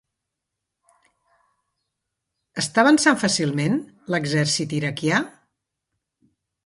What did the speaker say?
Està avançant fàcilment l'exèrcit iraquià?